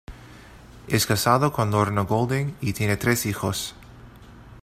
Es casado con Lorna Golding y tiene tres hijos.